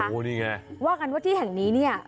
โอ้โหนี่ไงว่ากันว่าที่แห่งนี้เนี่ย